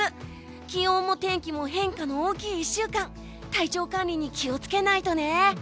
気温も天気も変化の大きい１週間体調管理に気を付けないとね！